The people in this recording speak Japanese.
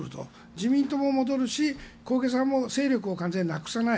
自民党も戻るし小池さんも勢力を完全になくさない。